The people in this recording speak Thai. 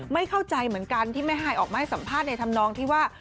ไม่เข้าใจเหมือนกันที่แม่ฮายออกมาให้สัมภาษณ์ในธรรมนองที่ว่า